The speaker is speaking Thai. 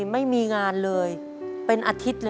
สวัสดีครับน้องเล่จากจังหวัดพิจิตรครับ